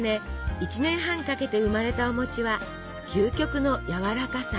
１年半かけて生まれたお餅は究極のやわらかさ。